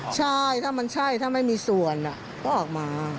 ใช่ถ้ามันใช่ถ้าไม่มีส่วนก็ออกมา